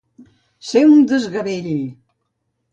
Ser un desgavell.